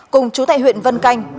cùng chú thầy huyện vân canh